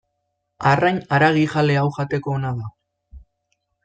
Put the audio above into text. Arrain haragijale hau jateko ona da.